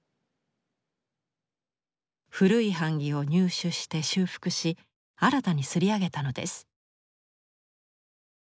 古い版木を入手して修復し新たに摺り上げたのです。